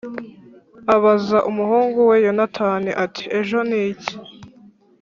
Abaza umuhungu we yonatani ati ejo ni iki